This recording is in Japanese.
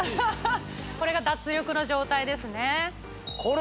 これが脱力の状態ですね